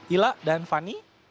ila dan fani